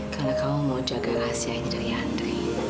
karena kamu mau jaga rahasia ini dari andri